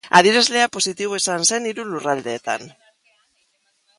Adierazlea positiboa izan zen hiru lurraldeetan.